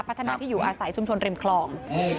พัฒนาที่อยู่อาศัยชุมชนริมคลอง